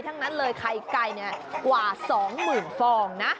ทั้งนั้นเลยไทยไก่เนี่ยกว่าสองหมื่นฟองนะ